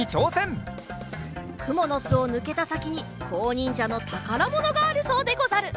くものすをぬけたさきにこうにんじゃのたからものがあるそうでござる。